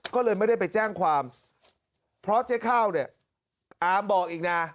ก็เลยไม่ได้ไปแจ้งความเพราะเจ๊ข้าวเนี่ยอามบอกอีกนะ